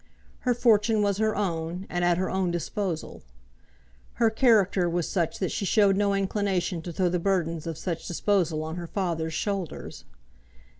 Her fortune was her own, and at her own disposal. Her character was such that she showed no inclination to throw the burden of such disposal on her father's shoulders.